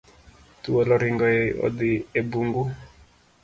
Thuol oringo odhi e bungu.